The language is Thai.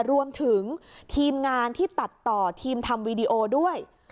รวมถึงทีมงานที่ตัดต่อทีมทำวีดีโอด้วย